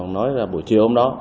nói là buổi chiều hôm đó